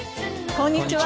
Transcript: こんにちは。